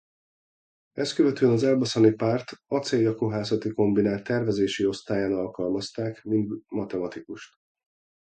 Ezt követően az elbasani Párt Acélja Kohászati Kombinát tervezési osztályán alkalmazták mint matematikust.